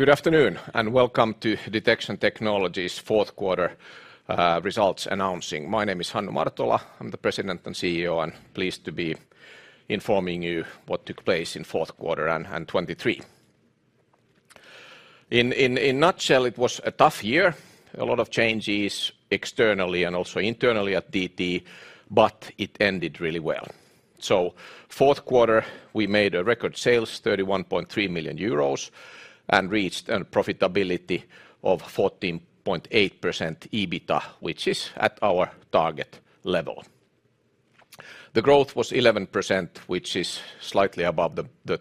Good afternoon, and welcome to Detection Technology's fourth quarter results announcement. My name is Hannu Martola. I'm the President and CEO, and pleased to be informing you what took place in fourth quarter and 2023. In a nutshell, it was a tough year. A lot of changes externally and also internally at DT, but it ended really well. So fourth quarter, we made a record sales, 31.3 million euros, and reached a profitability of 14.8% EBITDA, which is at our target level. The growth was 11%, which is slightly above the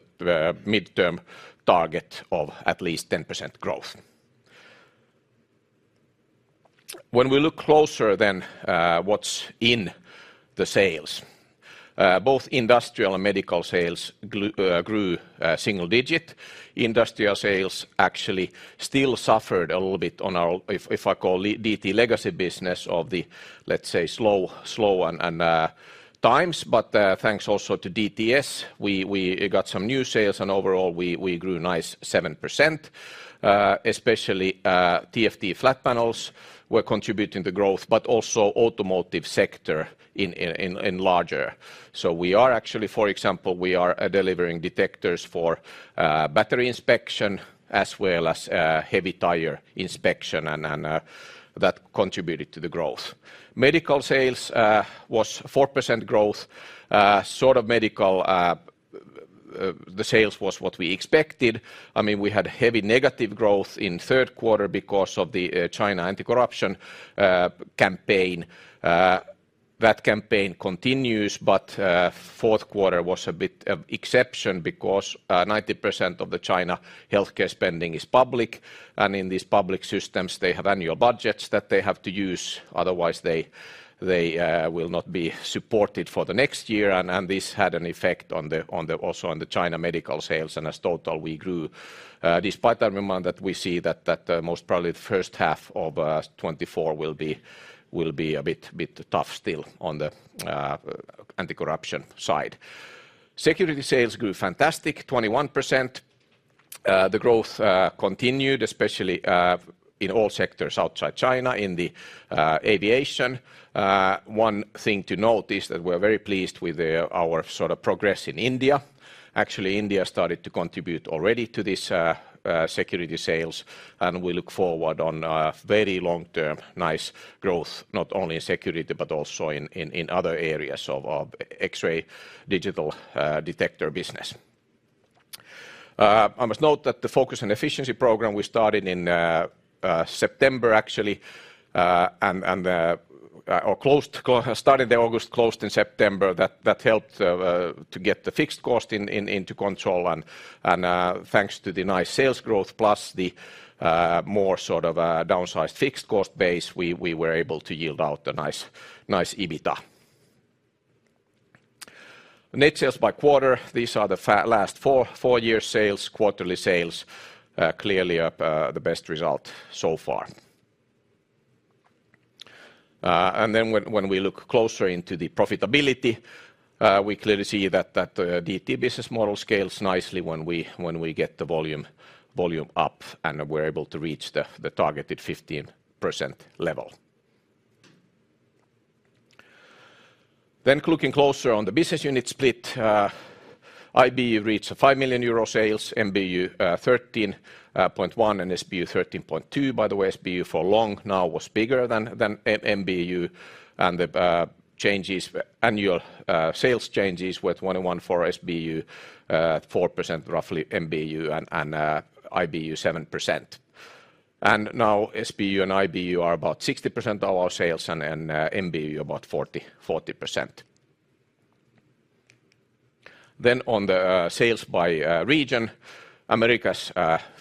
midterm target of at least 10% growth. When we look closer, then what's in the sales, both industrial and medical sales grew single digit. Industrial sales actually still suffered a little bit on our, if I call DT legacy business of the, let's say, slow times. But thanks also to DTS, we got some new sales, and overall, we grew nice 7%. Especially, TFT flat panels were contributing to growth, but also automotive sector in larger. So we are actually, for example, we are delivering detectors for battery inspection as well as heavy tire inspection and that contributed to the growth. Medical sales was 4% growth. Sort of medical, the sales was what we expected. I mean, we had heavy negative growth in third quarter because of the China anti-corruption campaign. That campaign continues, but fourth quarter was a bit of an exception because 90% of the China healthcare spending is public, and in these public systems, they have annual budgets that they have to use, otherwise they will not be supported for the next year. And this had an effect on the, also on the China medical sales, and in total, we grew. Despite that amount, we see that most probably the first half of 2024 will be a bit tough still on the anti-corruption side. Security sales grew fantastic, 21%. The growth continued, especially in all sectors outside China, in the aviation. One thing to note is that we're very pleased with our sort of progress in India. Actually, India started to contribute already to this security sales, and we look forward on a very long term, nice growth, not only in security, but also in other areas of X-ray digital detector business. I must note that the focus and efficiency program we started in September, actually, or started in August, closed in September, that helped to get the fixed cost into control. And thanks to the nice sales growth, plus the more sort of downsized fixed cost base, we were able to yield out a nice EBITDA. Net sales by quarter, these are the last 4-year sales, quarterly sales. Clearly, the best result so far. And then when we look closer into the profitability, we clearly see that DT business model scales nicely when we get the volume up, and we're able to reach the targeted 15% level. Then looking closer on the business unit split, IBU reached 5 million euro sales, MBU 13.1 million, and SBU 13.2 million. By the way, SBU for long now was bigger than MBU, and the annual sales changes with 1% for SBU, 4% roughly for MBU, and 7% for IBU. And now, SBU and IBU are about 60% of our sales, and MBU about 40%. Then on the sales by region, Americas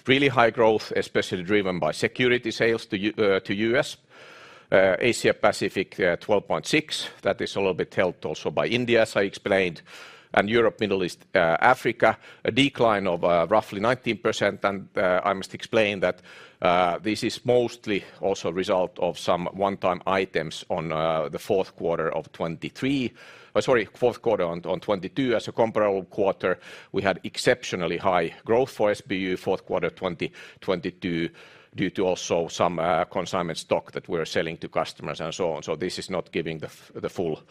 really high growth, especially driven by security sales to US. Asia Pacific, 12.6%. That is a little bit helped also by India, as I explained. And Europe, Middle East, Africa, a decline of roughly 19%, and I must explain that this is mostly also a result of some one-time items in the fourth quarter of 2023. Oh, sorry, fourth quarter of 2022, as a comparable quarter, we had exceptionally high growth for SBU, fourth quarter 2022, due to also some consignment stock that we're selling to customers and so on. So this is not giving the full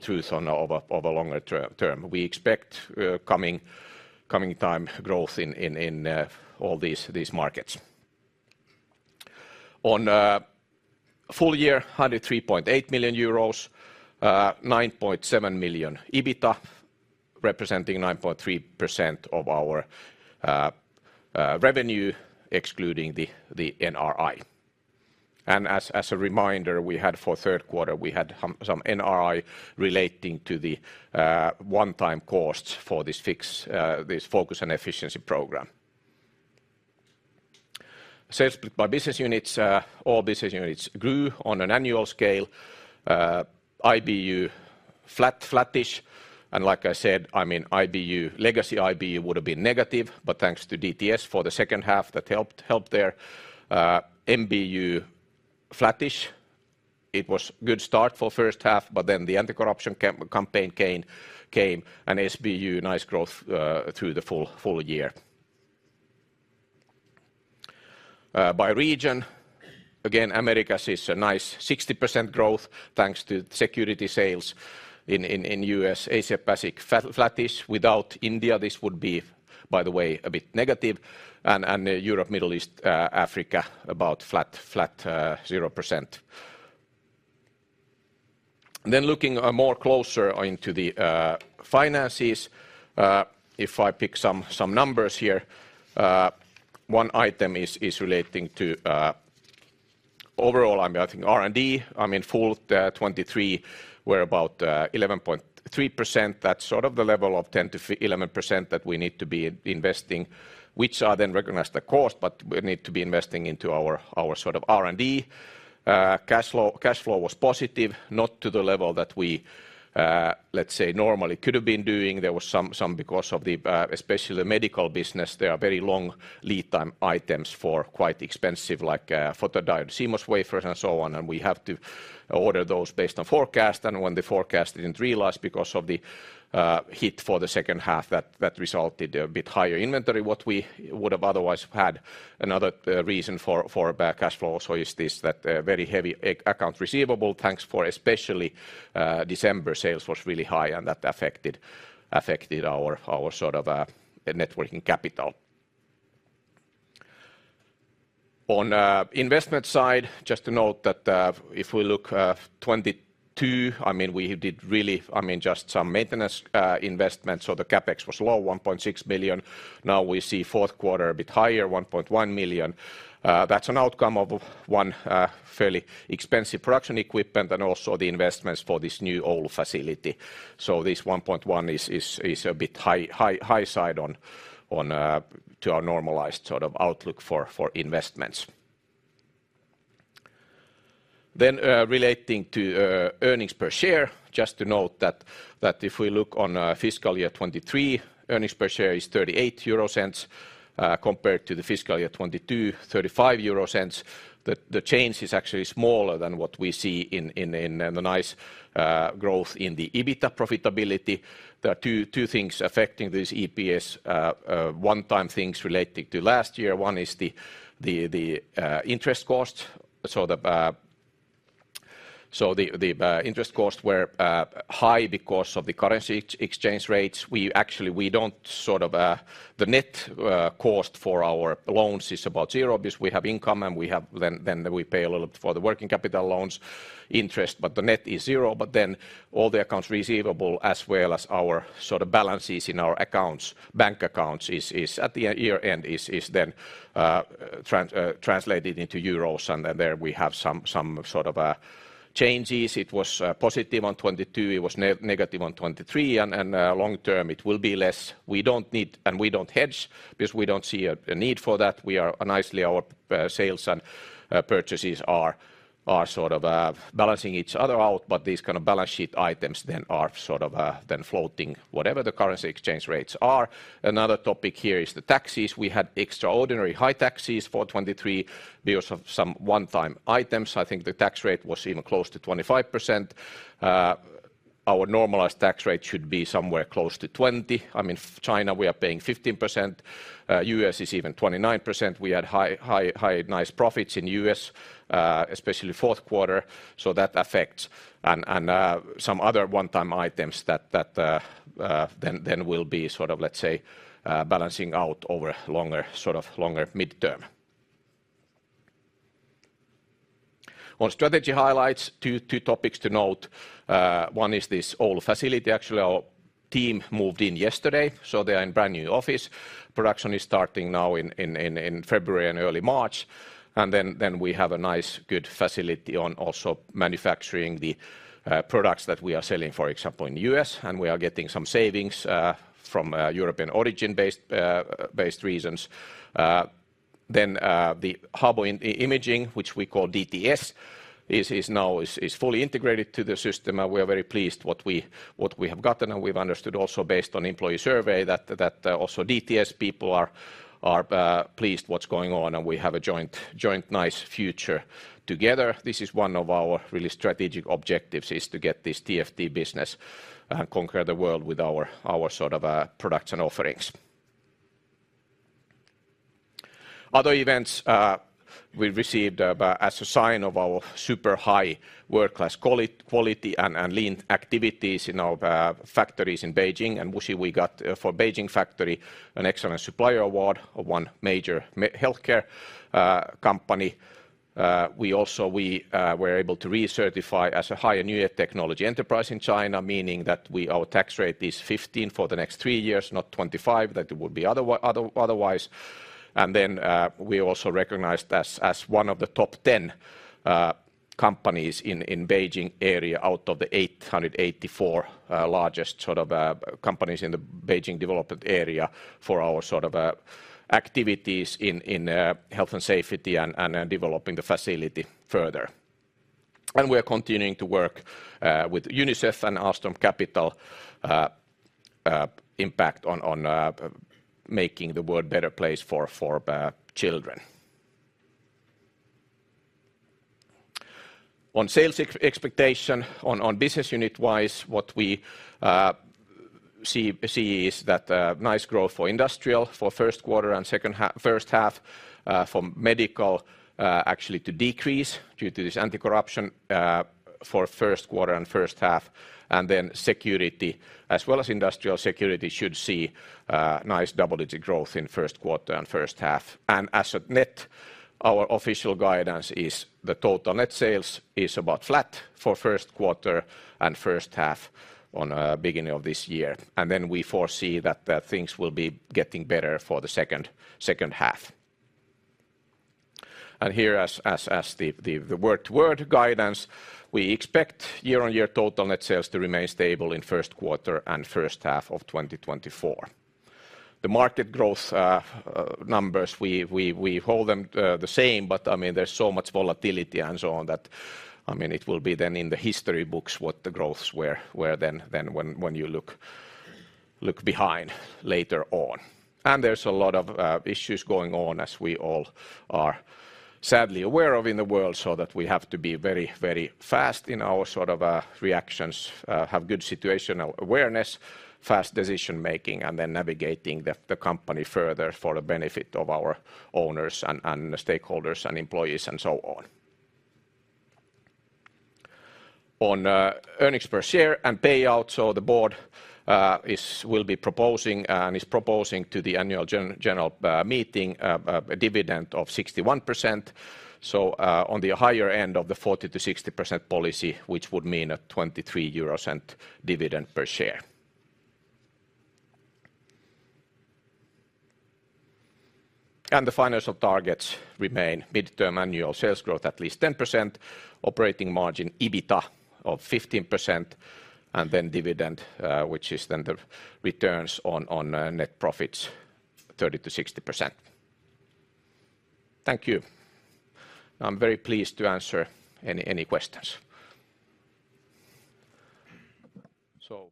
truth on a longer term. We expect coming time growth in all these markets. Full year, 103.8 million euros, 9.7 million EBITDA, representing 9.3% of our revenue, excluding the NRI. And as a reminder, we had for third quarter, we had some NRI relating to the one-time costs for this fix, this focus and efficiency program. Sales by business units, all business units grew on an annual scale. IBU, flat, flattish, and like I said, I mean, IBU, legacy IBU would have been negative, but thanks to DTS for the second half, that helped there. MBU, flattish. It was good start for first half, but then the anti-corruption campaign came, and SBU, nice growth through the full year. By region, again, Americas is a nice 60% growth, thanks to security sales in US. Asia-Pacific, flat, flattish. Without India, this would be, by the way, a bit negative. Europe, Middle East, Africa, about flat, zero percent. Then looking more closer into the finances, if I pick some numbers here, one item is relating to overall, I mean, I think R&D, I mean, full 2023 were about 11.3%. That's sort of the level of 10%-11% that we need to be investing, which are then recognized the cost, but we need to be investing into our R&D. Cash flow was positive, not to the level that we, let's say, normally could have been doing. There was some because of the, especially medical business, there are very long lead time items for quite expensive, like, photodiode, CMOS wafers, and so on, and we have to order those based on forecast. When the forecast didn't realize because of the hit for the second half, that resulted a bit higher inventory what we would have otherwise had. Another reason for bad cash flow also is this, that very heavy accounts receivable, thanks for especially December sales was really high, and that affected our sort of net working capital. On investment side, just to note that, if we look 2022, I mean, we did really, I mean, just some maintenance investments, so the CapEx was low, 1.6 million. Now we see fourth quarter a bit higher, 1.1 million. That's an outcome of one fairly expensive production equipment and also the investments for this new Oulu facility. So this 1.1 million is a bit high side on to our normalized sort of outlook for investments. Then relating to earnings per share, just to note that if we look on FY 2023, earnings per share is 0.38 compared to the FY 2022, EUR 0.35. The change is actually smaller than what we see in the nice growth in the EBITDA profitability. There are two things affecting this EPS one-time things relating to last year. One is the interest cost. So the interest costs were high because of the currency exchange rates. We actually don't sort of... The net cost for our loans is about zero because we have income, and we have... Then we pay a little bit for the working capital loans interest, but the net is zero. But then all the accounts receivable, as well as our sort of balances in our accounts, bank accounts, is at the year-end, is then translated into euros, and then there we have some changes. It was positive on 2022, it was negative on 2023, and long term, it will be less. We don't need, and we don't hedge because we don't see a need for that. We are nicely, our sales and purchases are sort of balancing each other out, but these kind of balance sheet items then are sort of then floating, whatever the currency exchange rates are. Another topic here is the taxes. We had extraordinarily high taxes for 2023 because of some one-time items. I think the tax rate was even close to 25%. Our normalized tax rate should be somewhere close to 20%. I mean, China, we are paying 15%, U.S. is even 29%. We had high, nice profits in U.S., especially fourth quarter, so that affects. And, some other one-time items that, then will be sort of, let's say, balancing out over longer, sort of longer midterm. On strategy highlights, two topics to note. One is this Oulu facility. Actually, our team moved in yesterday, so they are in brand-new office. Production is starting now in February and early March, and then we have a nice, good facility on also manufacturing the products that we are selling, for example, in the US, and we are getting some savings from European origin-based reasons. Then the Haobo Imaging, which we call DTS, is now fully integrated to the system, and we are very pleased what we have gotten. And we've understood also based on employee survey that also DTS people are pleased what's going on, and we have a joint nice future together. This is one of our really strategic objectives, is to get this TFT business and conquer the world with our sort of products and offerings. Other events, we received, as a sign of our super high world-class quality and lean activities in our factories in Beijing and Wuhan, we got, for Beijing factory, an excellent supplier award of one major healthcare company. We also were able to recertify as a high and new technology enterprise in China, meaning that our tax rate is 15% for the next three years, not 25%, that it would be otherwise. And then, we also recognized as one of the top 10 companies in the Beijing area, out of the 884 largest sort of companies in the Beijing development area for our sort of activities in health and safety and developing the facility further. We are continuing to work with UNICEF and Ahlström Capital, impact on making the world a better place for children. On sales expectation, on business unit-wise, what we see is that nice growth for industrial for first quarter and first half. For medical, actually to decrease due to this anti-corruption, for first quarter and first half. And then security, as well as industrial security, should see nice double-digit growth in first quarter and first half. And as of net, our official guidance is the total net sales is about flat for first quarter and first half on beginning of this year. And then we foresee that things will be getting better for the second half. And here, as the word to word guidance, we expect year-on-year total net sales to remain stable in first quarter and first half of 2024. The market growth numbers, we hold them the same, but I mean, there's so much volatility and so on that, I mean, it will be then in the history books what the growths were then when you look behind later on. And there's a lot of issues going on, as we all are sadly aware of in the world, so that we have to be very, very fast in our sort of reactions, have good situational awareness, fast decision-making, and then navigating the company further for the benefit of our owners, and stakeholders, and employees, and so on. On earnings per share and payout, so the board will be proposing and is proposing to the annual general meeting a dividend of 61%, so on the higher end of the 40%-60% policy, which would mean a 0.23 dividend per share. And the financial targets remain: midterm annual sales growth, at least 10%; operating margin, EBITDA of 15%; and then dividend, which is then the returns on net profits, 30%-60%. Thank you. I'm very pleased to answer any questions. So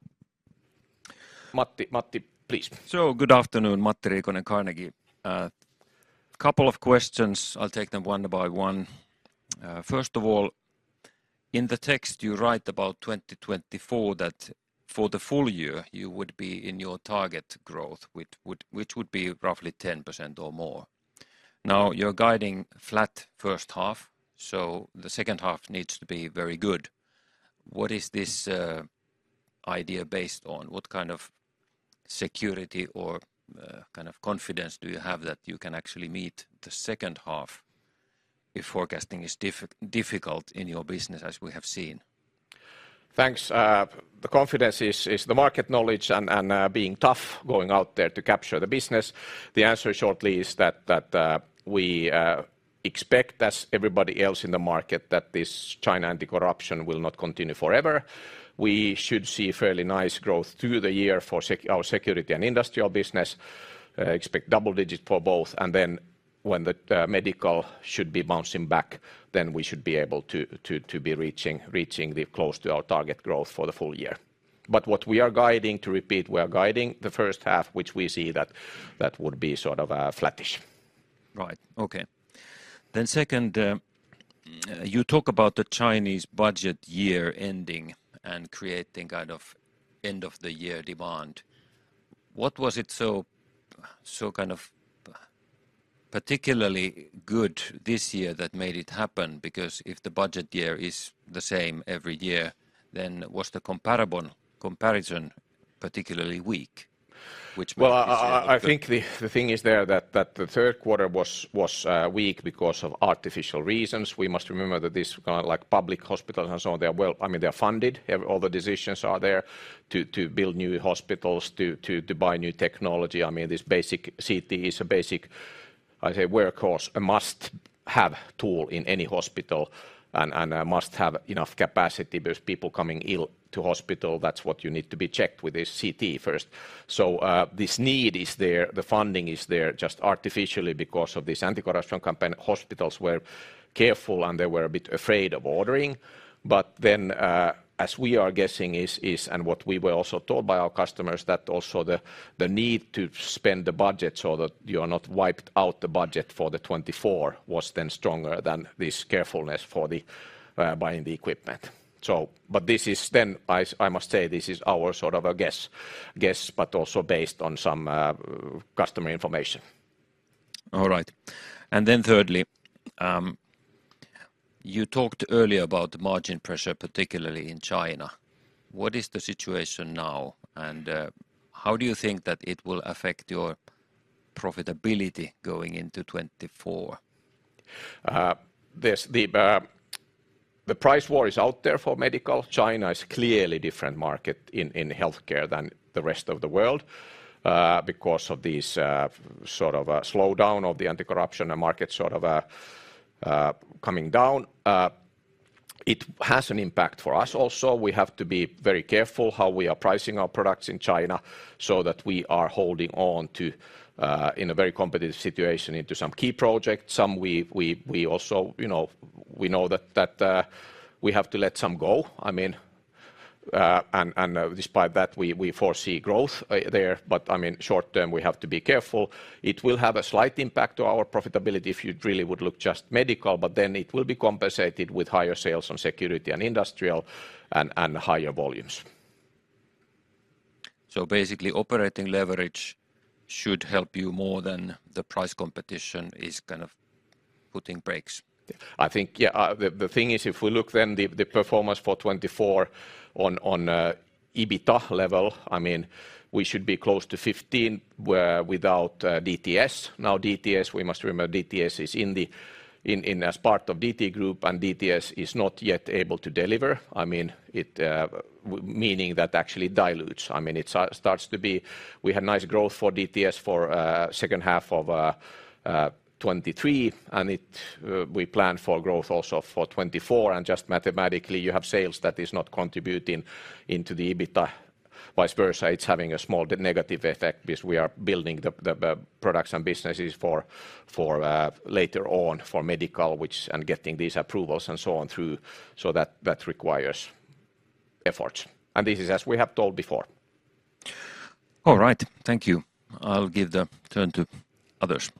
Matti, Matti, please. Good afternoon, Matti Riikonen, Carnegie. Couple of questions. I'll take them one by one. First of all, in the text, you write about 2024, that for the full year, you would be in your target growth, which would, which would be roughly 10% or more. Now, you're guiding flat first half, so the second half needs to be very good. What is this idea based on? What kind of security or kind of confidence do you have that you can actually meet the second half if forecasting is difficult in your business, as we have seen? Thanks. The confidence is the market knowledge and being tough, going out there to capture the business. The answer shortly is that we expect, as everybody else in the market, that this China anti-corruption will not continue forever. We should see fairly nice growth through the year for our security and industrial business, expect double digit for both, and then when the medical should be bouncing back, then we should be able to be reaching the close to our target growth for the full year. But what we are guiding, to repeat, we are guiding the first half, which we see that would be sort of flattish. Right. Okay. Then second, you talk about the Chinese budget year ending and creating kind of end-of-the-year demand. What was it so, so kind of particularly good this year that made it happen? Because if the budget year is the same every year, then was the comparable comparison particularly weak, Well, I think the thing is that the third quarter was weak because of artificial reasons. We must remember that these kind of like public hospitals and so on, I mean, they are funded. Even all the decisions are there to build new hospitals, to buy new technology. I mean, this basic CT is a basic, I say, workhorse, a must-have tool in any hospital, and a must-have enough capacity, because people coming ill to hospital, that's what you need to be checked with a CT first. So, this need is there, the funding is there, just artificially because of this anti-corruption campaign, hospitals were careful, and they were a bit afraid of ordering. But then, as we are guessing, and what we were also told by our customers, that also the need to spend the budget so that you are not wiped out the budget for 2024 was then stronger than this carefulness for the buying the equipment. So but this is then, I must say, this is our sort of a guess, but also based on some customer information. All right. Then thirdly, you talked earlier about the margin pressure, particularly in China. What is the situation now, and how do you think that it will affect your profitability going into 2024? The price war is out there for medical. China is clearly a different market in healthcare than the rest of the world, because of this sort of a slowdown of the anti-corruption and market sort of coming down. It has an impact for us also. We have to be very careful how we are pricing our products in China, so that we are holding on to in a very competitive situation into some key projects. Some we also, you know, we know that we have to let some go. Despite that, we foresee growth there, but, I mean, short term, we have to be careful. It will have a slight impact to our profitability if you really would look just medical, but then it will be compensated with higher sales on security and industrial and higher volumes. Basically, operating leverage should help you more than the price competition is kind of putting brakes? I think, yeah, the thing is, if we look then the performance for 2024 on EBITDA level, I mean, we should be close to 15% without DTS. Now, DTS, we must remember DTS is in the in as part of DT group, and DTS is not yet able to deliver. I mean, it meaning that actually dilutes. I mean, it starts to be. We had nice growth for DTS for second half of 2023, and we plan for growth also for 2024, and just mathematically, you have sales that is not contributing into the EBITDA. Vice versa, it's having a small, but negative effect because we are building the products and businesses for later on for medical and getting these approvals and so on through, so that requires efforts. And this is as we have told before. All right, thank you. I'll give the turn to others.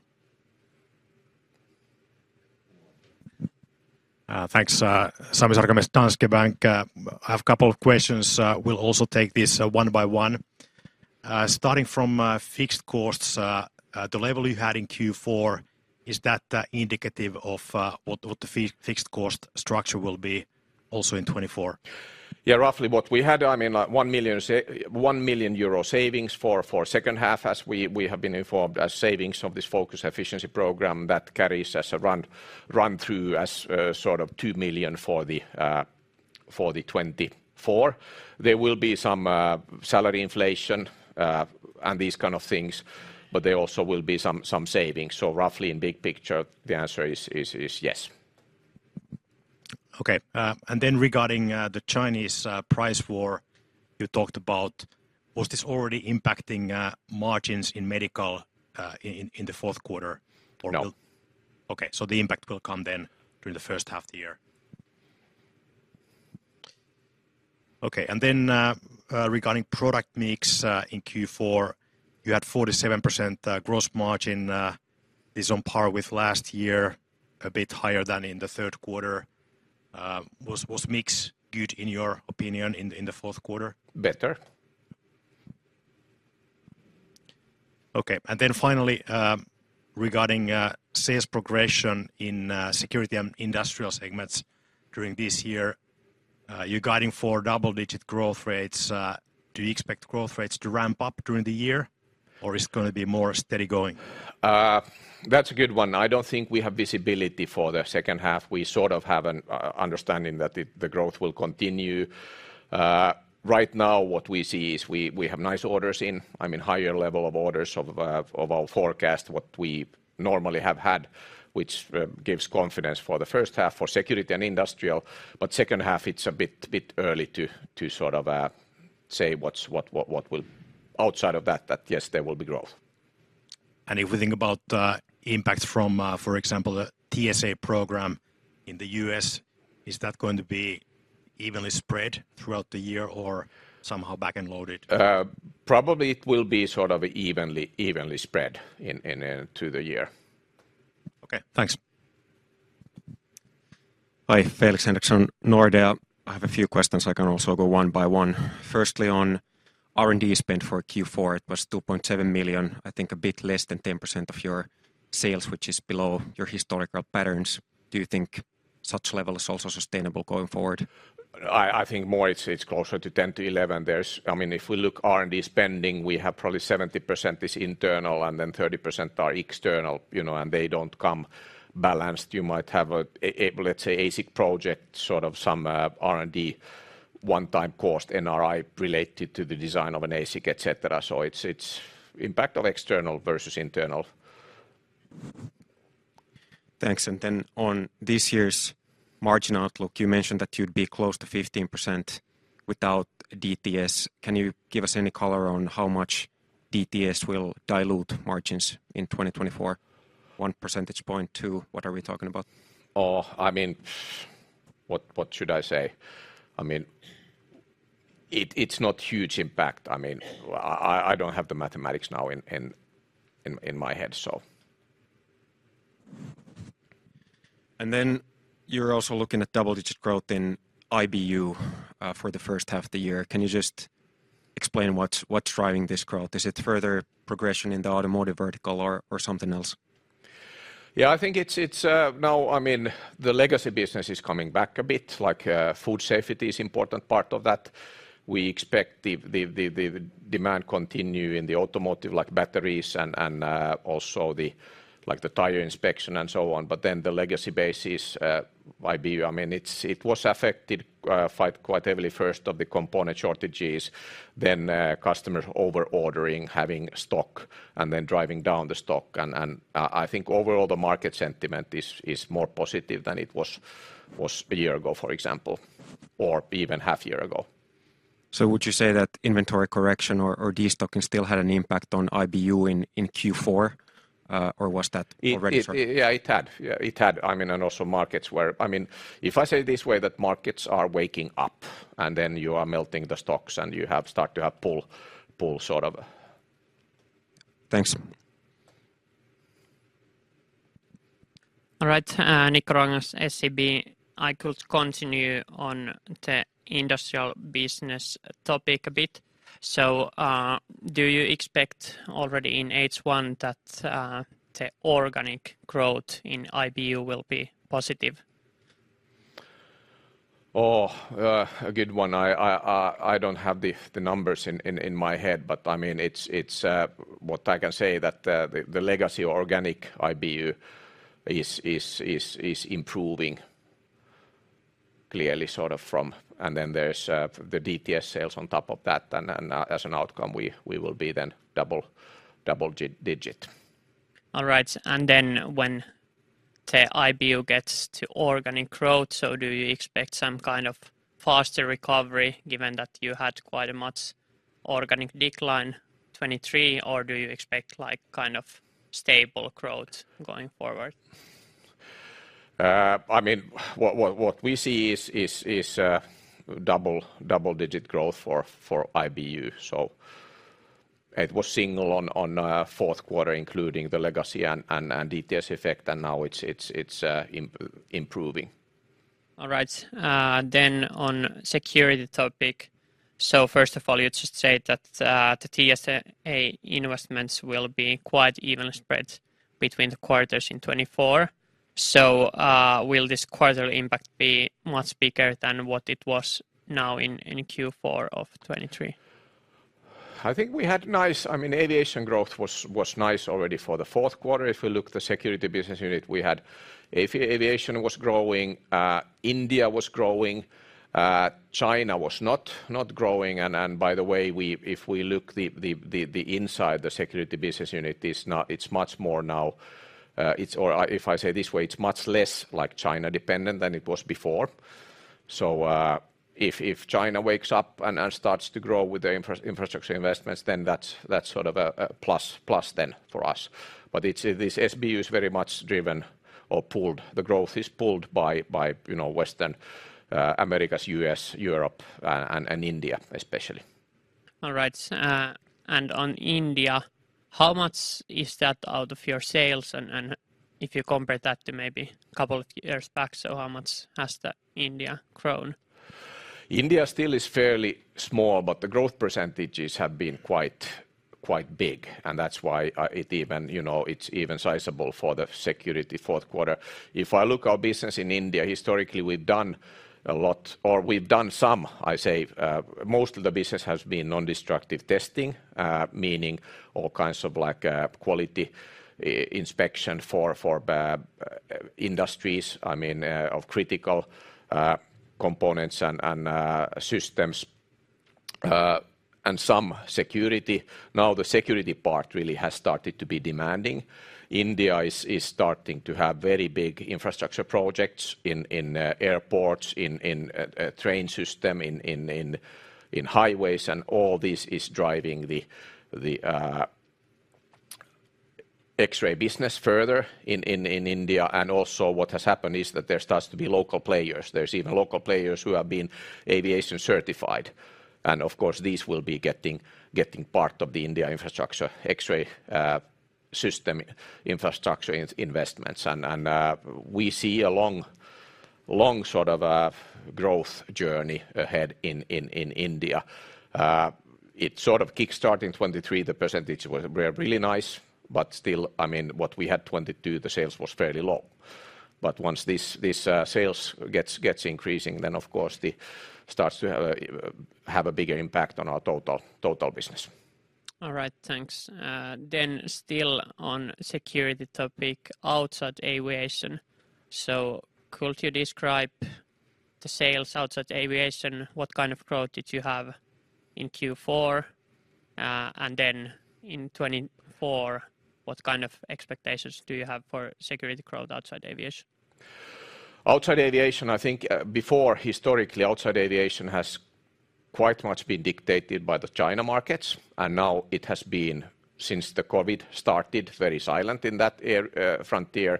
Thanks. Sami Sarkamies, Danske Bank. I have a couple of questions. We'll also take this one by one. Starting from fixed costs, the level you had in Q4, is that indicative of what the fixed cost structure will be also in 2024? Yeah, roughly what we had, I mean, one million euro savings for, for second half as we, we have been informed, as savings of this focus efficiency program that carries as a run, run through as, sort of two million for the, for the 2024. There will be some, salary inflation, and these kind of things, but there also will be some, some savings. So roughly, in big picture, the answer is yes. Okay. And then regarding the Chinese price war you talked about, was this already impacting margins in medical in the fourth quarter. No. Okay. So the impact will come then during the first half of the year. Okay, and then, regarding product mix, in Q4, you had 47%, gross margin, is on par with last year, a bit higher than in the third quarter. Was mix good, in your opinion, in the fourth quarter? Better. Okay, and then finally, regarding sales progression in security and industrial segments during this year, you're guiding for double-digit growth rates. Do you expect growth rates to ramp up during the year, or it's gonna be more steady going? That's a good one. I don't think we have visibility for the second half. We sort of have an understanding that the growth will continue. Right now, what we see is we have nice orders in, I mean, higher level of orders of our forecast, what we normally have had, which gives confidence for the first half for security and industrial, but second half, it's a bit early to sort of say what will... Outside of that, yes, there will be growth. If we think about impact from, for example, the TSA program in the U.S., is that going to be evenly spread throughout the year or somehow back-end loaded? Probably it will be sort of evenly spread in through the year. Okay, thanks. Hi, Felix Henriksson, Nordea. I have a few questions. I can also go one by one. Firstly, on R&D spend for Q4, it was 2.7 million, I think a bit less than 10% of your sales, which is below your historical patterns. Do you think such level is also sustainable going forward? I think more it's closer to 10%-11%. I mean, if we look at R&D spending, we have probably 70% is internal, and then 30% are external, you know, and they don't come balanced. You might have a, let's say, ASIC project, sort of some R&D one-time cost, NRI, related to the design of an ASIC, et cetera. So it's impact of external versus internal. Thanks. And then on this year's margin outlook, you mentioned that you'd be close to 15% without DTS. Can you give us any color on how much DTS will dilute margins in 2024? 1 percentage point, what are we talking about? Oh, I mean, what should I say? I mean, it's not huge impact. I mean, I don't have the mathematics now in my head. Then you're also looking at double-digit growth in IBU for the first half of the year. Can you just explain what's driving this growth? Is it further progression in the automotive vertical or something else? Yeah, I think it's now, I mean, the legacy business is coming back a bit, like, food safety is important part of that. We expect the demand continue in the automotive, like batteries and also the tire inspection and so on. But then the legacy basis, IBU, I mean, it's, it was affected quite heavily, first of the component shortages, then customers over-ordering, having stock, and then driving down the stock. And I think overall, the market sentiment is more positive than it was a year ago, for example, or even half year ago. So would you say that inventory correction or destocking still had an impact on IBU in Q4, or was that already. Yeah, it had. Yeah, it had, I mean, and also markets where... I mean, if I say it this way, that markets are waking up, and then you are melting the stocks, and you start to have pull sort of... Thanks. All right, Nikko Ruokangas, SEB, I could continue on the industrial business topic a bit. So, do you expect already in H1 that the organic growth in IBU will be positive? Oh, a good one. I don't have the numbers in my head, but I mean, it's... What I can say that the legacy organic IBU is improving clearly, sort of, from-- And then there's the DTS sales on top of that, and then, as an outcome, we will be then double-digit. All right. And then when the IBU gets to organic growth, so do you expect some kind of faster recovery, given that you had quite a much organic decline 2023, or do you expect, like, kind of stable growth going forward? I mean, what we see is double-digit growth for IBU. So it was single on fourth quarter, including the legacy and DTS effect, and now it's improving. All right. Then on security topic, so first of all, you just said that the TSA investments will be quite evenly spread between the quarters in 2024. So, will this quarter impact be much bigger than what it was now in Q4 of 2023? I think we had nice... I mean, aviation growth was nice already for the fourth quarter. If we look the security business unit, we had aviation was growing, India was growing, China was not growing, and by the way, if we look the inside, the security business unit, it's not it's much more now, it's... Or if I say this way, it's much less, like, China-dependent than it was before. So, if China wakes up and starts to grow with the infrastructure investments, then that's sort of a plus then for us. But it's, this SBU is very much driven or pulled, the growth is pulled by, you know, Western, Americas, US, Europe, and India, especially. All right. And on India, how much is that out of your sales? And if you compare that to maybe couple of years back, so how much has the India grown? India still is fairly small, but the growth percentages have been quite, quite big, and that's why, it even, you know, it's even sizable for the security fourth quarter. If I look our business in India, historically, we've done a lot, or we've done some, I say, most of the business has been Nondestructive Testing, meaning all kinds of, like, quality, inspection for industries, I mean, of critical, components and systems, and some security. Now, the security part really has started to be demanding. India is starting to have very big infrastructure projects in airports, in train system, in highways, and all this is driving the X-ray business further in India. And also, what has happened is that there starts to be local players. There's even local players who have been aviation-certified. And of course, these will be getting part of the India infrastructure X-ray system infrastructure investments. And we see a long sort of a growth journey ahead in India. It sort of kickstart in 2023, the percentage was really nice, but still, I mean, what we had 2022, the sales was fairly low. But once this sales gets increasing, then of course, it starts to have a bigger impact on our total business. All right. Thanks. Then still on security topic, outside aviation, so could you describe the sales outside aviation? What kind of growth did you have in Q4? And then in 2024, what kind of expectations do you have for security growth outside aviation? Outside aviation, I think, before, historically, outside aviation has quite much been dictated by the China markets, and now it has been, since the COVID started, very silent in that area frontier.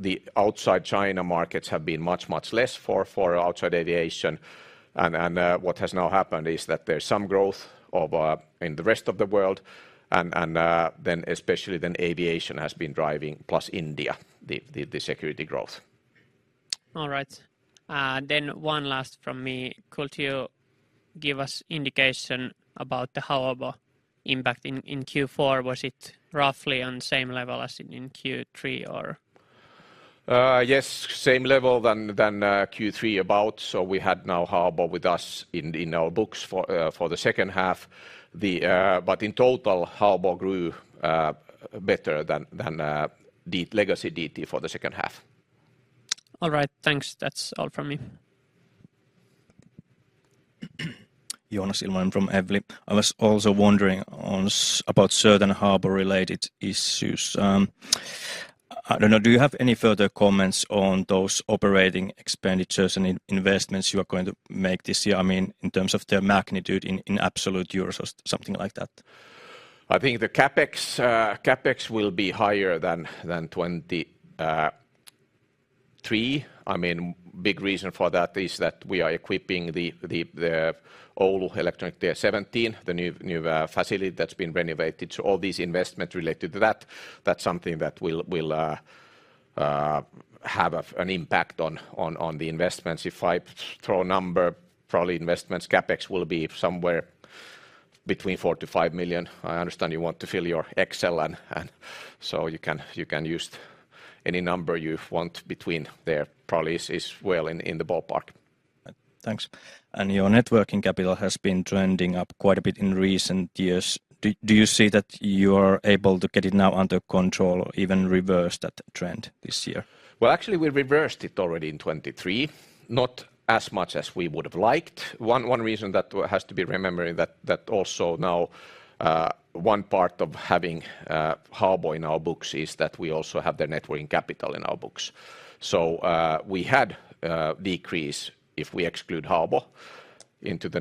The outside China markets have been much, much less for outside aviation, and what has now happened is that there's some growth in the rest of the world, and then especially then aviation has been driving, plus India, the security growth. All right. Then one last from me. Could you give us indication about the Haobo impact in Q4? Was it roughly on the same level as in Q3, or...? Yes, same level than Q3, so we had now Haobo with us in our books for the second half. But in total, Haobo grew better than the legacy DT for the second half. All right, thanks. That's all from me. Joonas Ilvonen from Evli. I was also wondering about certain Haobo-related issues. I don't know, do you have any further comments on those operating expenditures and investments you are going to make this year? I mean, in terms of the magnitude in absolute euros or something like that. I think the CapEx, CapEx will be higher than twenty-three, I mean, big reason for that is that we are equipping the, the Oulu electronic D17, the new facility that's been renovated. So all these investments related to that, that's something that will have a, an impact on the investments. If I throw a number, probably investments CapEx will be somewhere between 4 million-5 million. I understand you want to fill your Excel and so you can use any number you want between there probably is well in the ballpark. Thanks. Your net working capital has been trending up quite a bit in recent years. Do you see that you're able to get it now under control or even reverse that trend this year? Well, actually, we reversed it already in 2023, not as much as we would have liked. One reason that has to be remembered that, that also now, one part of having Haobo in our books is that we also have their working capital in our books. So, we had decrease, if we exclude Haobo, into the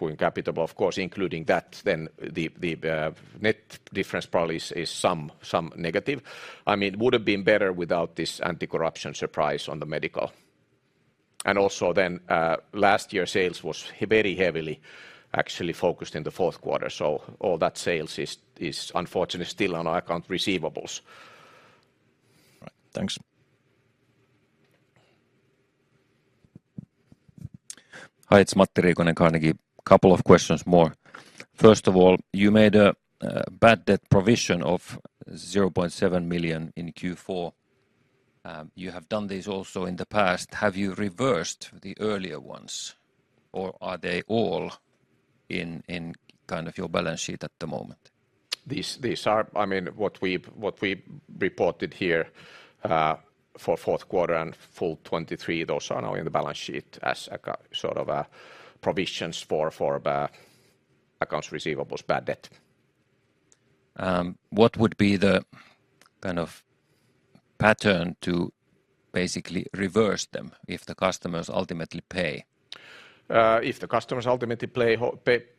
working capital, but of course, including that, then the net difference probably is some negative. I mean, it would have been better without this anti-corruption surprise on the medical. And also, then, last year's sales was very heavily actually focused in the fourth quarter, so all that sales is unfortunately still on our accounts receivable. Right. Thanks. Hi, it's Matti Riikonen, Carnegie. Couple of questions more. First of all, you made a bad debt provision of 0.7 million in Q4. You have done this also in the past. Have you reversed the earlier ones, or are they all in kind of your balance sheet at the moment? These are... I mean, what we reported here for fourth quarter and full 2023, those are now in the balance sheet as a sort of provisions for accounts receivables bad debt. What would be the kind of pattern to basically reverse them if the customers ultimately pay? If the customers ultimately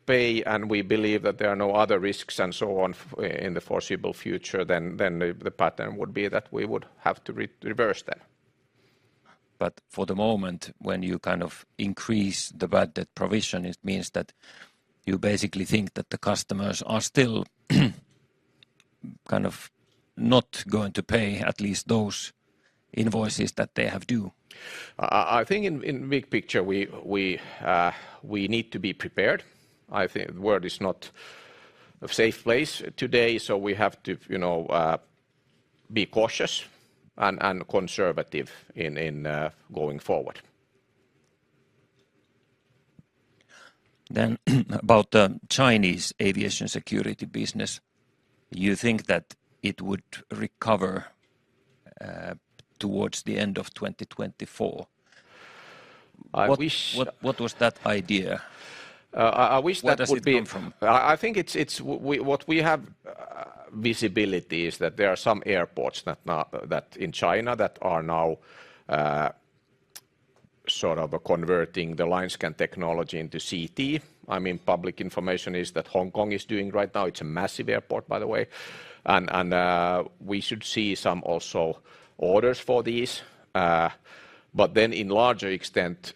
pay, and we believe that there are no other risks and so on in the foreseeable future, then the pattern would be that we would have to reverse that. But for the moment, when you kind of increase the bad debt provision, it means that you basically think that the customers are still kind of not going to pay at least those invoices that they have due. I think in big picture, we need to be prepared. I think the world is not a safe place today, so we have to, you know, be cautious and conservative in going forward. About the Chinese aviation security business, you think that it would recover towards the end of 2024? I wish- What was that idea? I wish that has been- Where does it come from? I think it's... We have visibility that there are some airports that in China that are now sort of converting the line scan technology into CT. I mean, public information is that Hong Kong is doing right now. It's a massive airport, by the way, and we should see some also orders for these. But then in larger extent,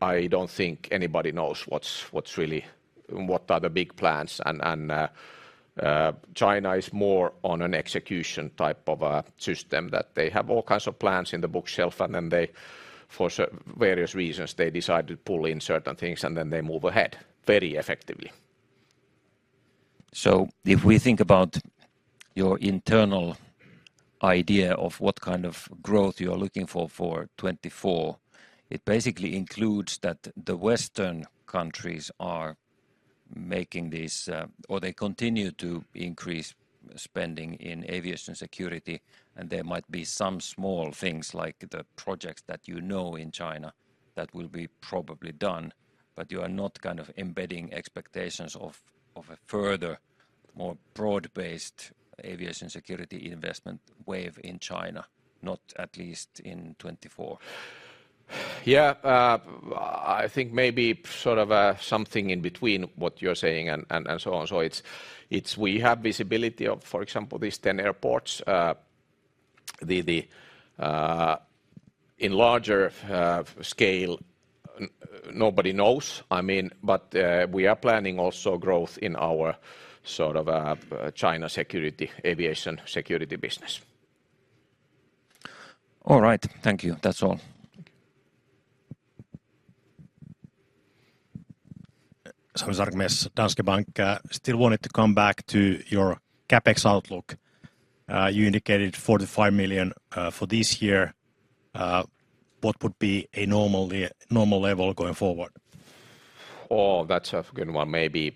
I don't think anybody knows what's really what are the big plans, and China is more on an execution type of a system, that they have all kinds of plans in the bookshelf, and then they, for various reasons, they decide to pull in certain things, and then they move ahead very effectively. So if we think about your internal idea of what kind of growth you are looking for for 2024, it basically includes that the Western countries are making these, or they continue to increase spending in aviation security, and there might be some small things, like the projects that you know in China, that will be probably done, but you are not kind of embedding expectations of a further, more broad-based aviation security investment wave in China, not at least in 2024. Yeah, I think maybe sort of something in between what you're saying and so on. So, we have visibility of, for example, these 10 airports. In larger scale, nobody knows. I mean, but we are planning also growth in our sort of China security, aviation security business. All right. Thank you. That's all. Sami Sarkamies, Danske Bank. Still wanted to come back to your CapEx outlook. You indicated 4 million-5 million for this year. What would be a normal level going forward? Oh, that's a good one. Maybe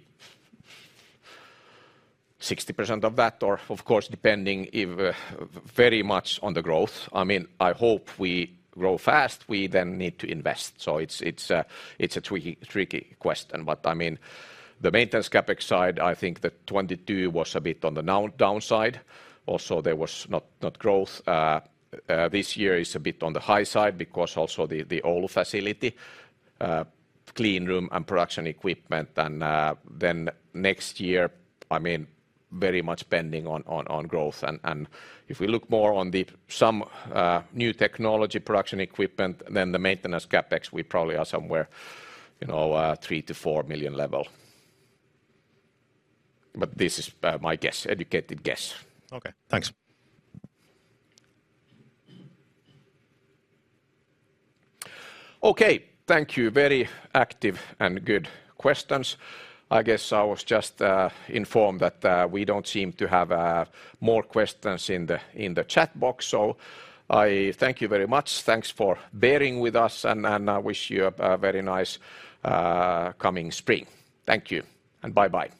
60% of that, or of course, depending if very much on the growth. I mean, I hope we grow fast, we then need to invest. So it's a tricky question, but I mean, the maintenance CapEx side, I think that 2022 was a bit on the downside. Also, there was not growth. This year is a bit on the high side because also the old facility clean room and production equipment, and then next year, I mean, very much depending on growth. And if we look more on the some new technology production equipment, then the maintenance CapEx, we probably are somewhere, you know, 3 million-4 million level. But this is my guess, educated guess. Okay, thanks. Okay, thank you. Very active and good questions. I guess I was just informed that we don't seem to have more questions in the chat box, so I thank you very much. Thanks for bearing with us, and I wish you a very nice coming spring. Thank you, and bye-bye.